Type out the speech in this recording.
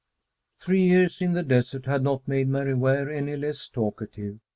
Three years in the desert had not made Mary Ware any the less talkative.